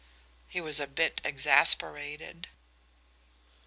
He was a bit exasperated.